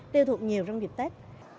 đều thuộc nhiều trong dịp tết